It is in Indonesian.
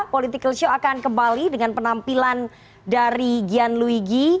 political show akan kembali dengan penampilan dari gianluigi